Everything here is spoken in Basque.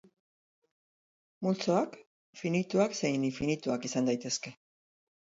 Multzoak finituak zein infinituak izan daitezke.